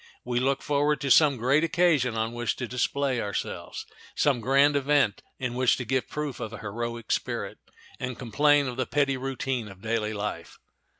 We look forward to some great occasion on which to display ourselves, some grand event in which to give proof of a heroic spirit, and complain of the petty routine of daily life.